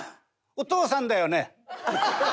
お父さんだよね？」。